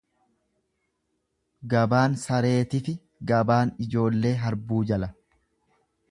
Gabaan sareetifi gabaan ijoollee harbuu jala.